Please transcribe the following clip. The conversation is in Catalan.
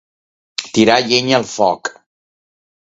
Tirar llenya al foc.